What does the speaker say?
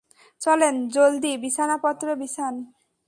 চলেন, জলদি বিছানাপত্র বিছান।